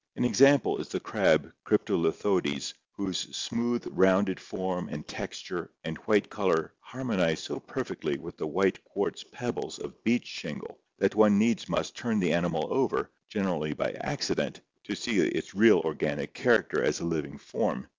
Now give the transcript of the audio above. An example is the crab Cryptolithodes whose smooth rounded form and texture and white color harmonize so perfectly with the white quartz pebbles of beach shingle that one needs must turn the animal over, generally by accident, to see its real organic character as a living form.